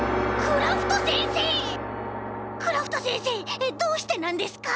クラフトせんせいどうしてなんですか？